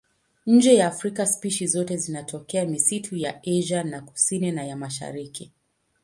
Nje ya Afrika spishi zote zinatokea misitu ya Asia ya Kusini na ya Mashariki.